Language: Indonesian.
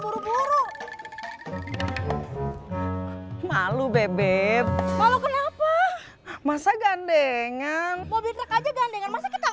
buru buru malu bebek kalau kenapa masa gandengan mobil saja gandengan masa kita